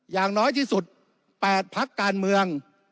อย่างน้อยที่สุด๘พักการเมือง